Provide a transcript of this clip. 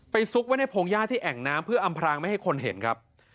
ซุกไว้ในพงหญ้าที่แอ่งน้ำเพื่ออำพรางไม่ให้คนเห็นครับ